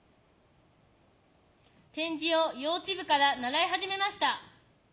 点字を幼稚部から習い始めました。